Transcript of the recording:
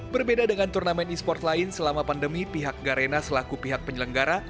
berbeda dengan turnamen e sport lain selama pandemi pihak garena selaku pihak penyelenggara